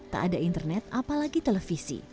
tak ada internet apalagi televisi